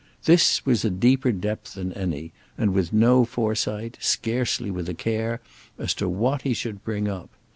This was a deeper depth than any, and with no foresight, scarcely with a care, as to what he should bring up.